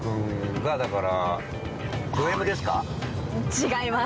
違います。